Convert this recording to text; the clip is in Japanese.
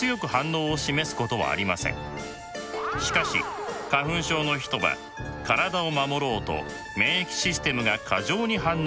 しかし花粉症の人は体を守ろうと免疫システムが過剰に反応してしまいます。